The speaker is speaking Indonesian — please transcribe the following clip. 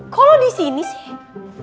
kalo disini sih